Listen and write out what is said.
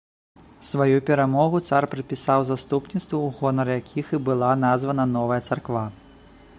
Сваю перамогу цар прыпісаў заступніцтву у гонар якіх і была названа новая царква.